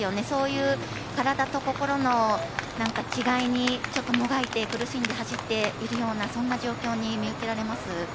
そういう体と心の違いにちょっともがいて苦しんで走っているようなそんな状況に見受けられます。